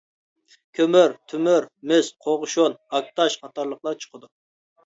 كۆمۈر، تۆمۈر، مىس، قوغۇشۇن، ھاك تاش قاتارلىقلار چىقىدۇ.